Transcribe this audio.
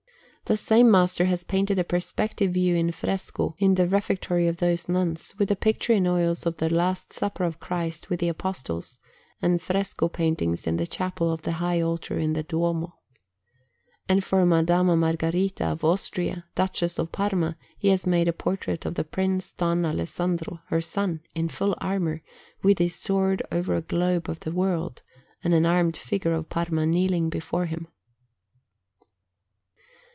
The same master has painted a perspective view in fresco in the refectory of those nuns, with a picture in oils of the Last Supper of Christ with the Apostles, and fresco paintings in the Chapel of the High Altar in the Duomo. And for Madama Margherita of Austria, Duchess of Parma, he has made a portrait of the Prince Don Alessandro, her son, in full armour, with his sword over a globe of the world, and an armed figure of Parma kneeling before him.